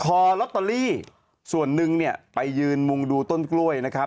พอลอตเตอรี่ส่วนหนึ่งเนี่ยไปยืนมุงดูต้นกล้วยนะครับ